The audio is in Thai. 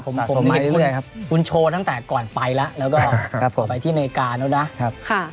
ผมเห็นคุณโชว์ตั้งแต่ก่อนไปแล้วแล้วก็ไปที่อเมริกาแล้วนะ